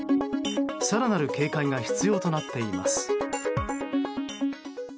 更なる警戒が必要となっています。